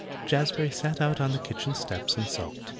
V Jazbury sat out on the kitchen steps and sulked.